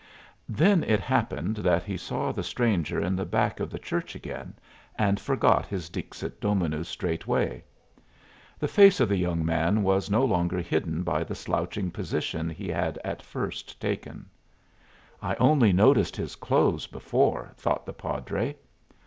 Then it happened that he saw the stranger in the back of the church again, and forgot his Dixit Dominus straightway. The face of the young man was no longer hidden by the slouching position he had at first taken. "I only noticed his clothes before," thought the padre.